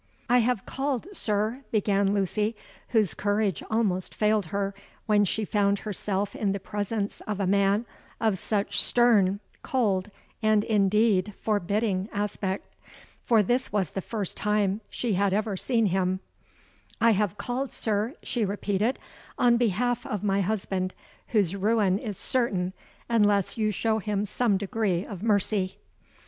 "'I have called, sir,' began Lucy, whose courage almost failed her when she found herself in the presence of a man of such stern, cold, and indeed forbidding aspect—for this was the first time she had ever seen him,—'I have called, sir,' she repeated, 'on behalf of my husband, whose ruin is certain unless you show him some degree of mercy.'